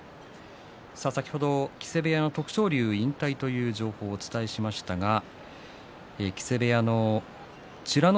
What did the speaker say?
先ほど木瀬部屋の徳勝龍引退という情報をお伝えしましたが木瀬部屋の美ノ